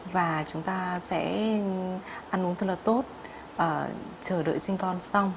và chúng ta sẽ ăn uống thật là tốt chờ đợi sinh con xong